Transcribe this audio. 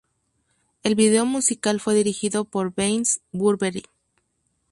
El video musical fue dirigido por Vance Burberry.